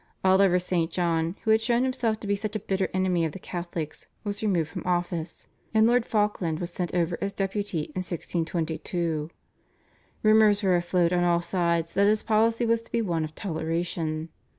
Oliver St. John, who had shown himself to be such a bitter enemy of the Catholics, was removed from office, and Lord Falkland was sent over as Deputy in 1622. Rumours were afloat on all sides that his policy was to be one of toleration.